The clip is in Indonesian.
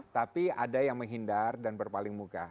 tapi ada yang menghindar dan berpaling muka